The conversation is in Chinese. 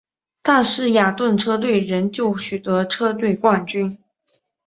但是雅顿车队仍旧取得车队冠军。